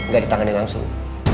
gak ditangani langsung